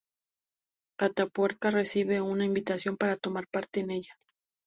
Atapuerca recibe una invitación para tomar parte en ella.